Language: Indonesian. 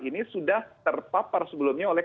ini sudah terpapar sebelumnya oleh